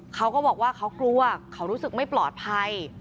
เขาก็บอกว่าเขากลัวเขารู้สึกไม่ปลอดภัย